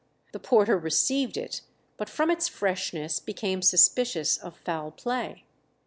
The porter received it, but from its freshness became suspicious of foul play.